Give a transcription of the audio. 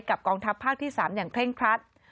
กองทัพภาคที่๓อย่างเร่งครัด